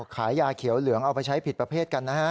ขายยาเขียวเหลืองเอาไปใช้ผิดประเภทกันนะฮะ